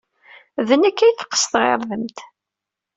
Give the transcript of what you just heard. D nekk ay teqqes tɣirdemt.